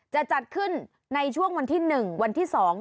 จะจัดขึ้นในช่วงวันที่๑วันที่๒